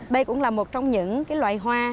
đây cũng là một trong những loài hoa